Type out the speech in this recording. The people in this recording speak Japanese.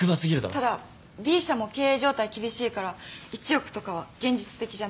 ただＢ社も経営状態厳しいから１億とかは現実的じゃないと思う。